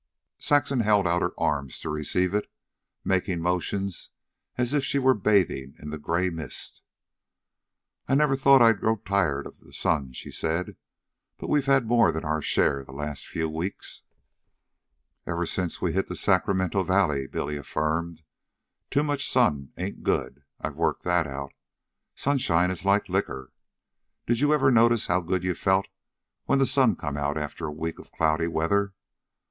Saxon held out her arms to receive it, making motions as if she were bathing in the gray mist. "I never thought I'd grow tired of the sun," she said; "but we've had more than our share the last few weeks." "Ever since we hit the Sacramento Valley," Billy affirmed. "Too much sun ain't good. I've worked that out. Sunshine is like liquor. Did you ever notice how good you felt when the sun come out after a week of cloudy weather.